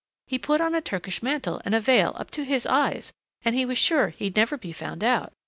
He put on a Turkish mantle and a veil up to his eyes and he was sure he'd never be found out.